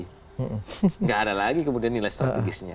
tidak ada lagi kemudian nilai strategisnya